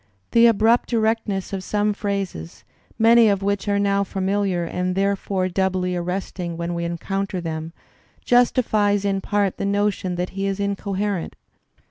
The abrupt erectness of some phrases, many of wivch are now familiar and therefore doubly arresting when we encounter them, justifies in part the notion that he is incoherent.